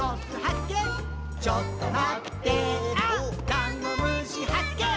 ダンゴムシはっけん